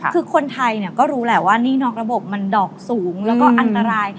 คือคนไทยก็รู้แหละว่าหนี้นอกระบบมันดอกสูงแล้วก็อันตราย